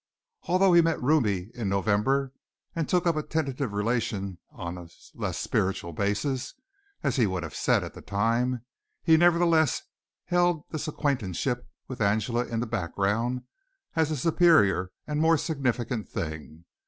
Although he met Ruby in November and took up a tentative relation on a less spiritual basis as he would have said at the time he nevertheless held this acquaintanceship with Angela in the background as a superior and more significant thing.